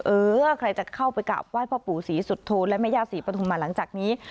เออใครจะเข้าไปกลับวาดพระปู่ศรีสุทธนและมะยาศรีปฐมมาหลังจากนี้